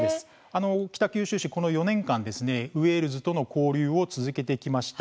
北九州市は、この４年間ウェールズとの交流を続けてきました。